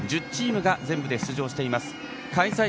１０チームが全部で出場しています。